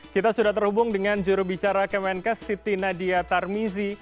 kita sudah terhubung dengan jurubicara kemenkes siti nadia tarmizi